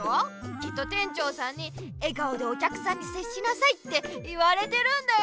きっと店長さんに「笑顔でおきゃくさんにせっしなさい」って言われてるんだよ。